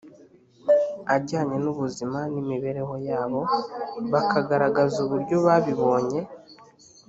ajyanye n ubuzima n imibereho yabo bakagaragaza uburyo babibonye